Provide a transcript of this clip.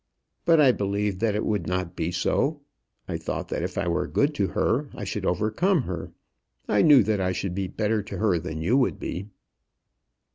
But I believed that it would not be so. I thought that if I were good to her, I should overcome her. I knew that I should be better to her than you would be."